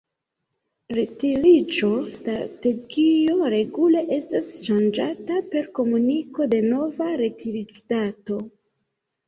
Retiriĝo-strategio regule estas ŝanĝata per komuniko de nova retiriĝdato.